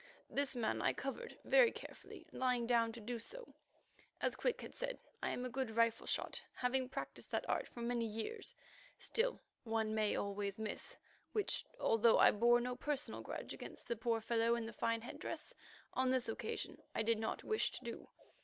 This man I covered very carefully, lying down to do so. As Quick had said, I am a good rifle shot, having practised that art for many years; still, one may always miss, which, although I bore no personal grudge against the poor fellow in the fine head dress, on this occasion I did not wish to do.